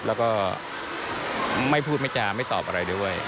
แล้วก็ไม่พูดไม่จาไม่ตอบอะไรด้วย